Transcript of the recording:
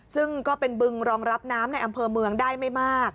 ซึ่งก็เป็นบึงรองรับน้ำในอำเภอเมืองได้ไม่มาก